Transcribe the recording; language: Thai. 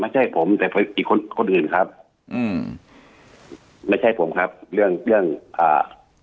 ไม่ใช่ผมแต่อีกคนคนอื่นครับอืมไม่ใช่ผมครับเรื่องเรื่องอ่า